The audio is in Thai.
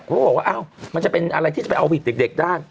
เขาบอกว่าอ้าวมันจะเป็นอะไรที่จะไปเอาผิดเด็กได้